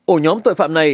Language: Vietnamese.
ổ nhóm tội phạm này